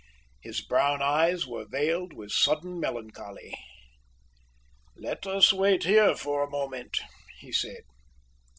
His brown eyes were veiled with sudden melancholy. "Let us wait here for a moment," he said.